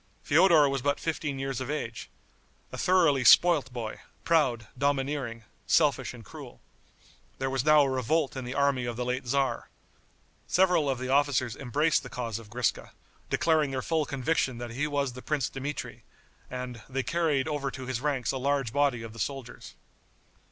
Feodor was but fifteen years of age, a thoroughly spoilt boy, proud, domineering, selfish and cruel. There was now a revolt in the army of the late tzar. Several of the officers embraced the cause of Griska, declaring their full conviction that he was the Prince Dmitri, and, they carried over to his ranks a large body of the soldiers.